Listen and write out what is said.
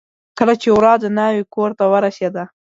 کله چې ورا د ناوې کورته ور ورسېده.